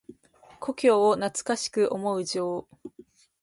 故郷を懐かしく思う情。